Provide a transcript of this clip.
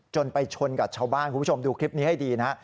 ไปชนกับชาวบ้านคุณผู้ชมดูคลิปนี้ให้ดีนะฮะ